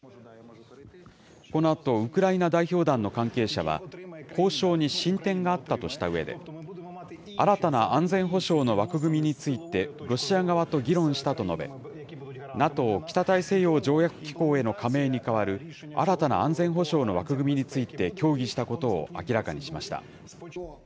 このあと、ウクライナ代表団の関係者は、交渉に進展があったとしたうえで、新たな安全保障の枠組みについて、ロシア側と議論したと述べ、ＮＡＴＯ・北大西洋条約機構への加盟に代わる、新たな安全保障の枠組みについて協議したことを明らかにしました。